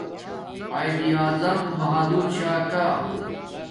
قایداعظم بہادر چھا کا